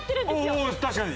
おお確かに！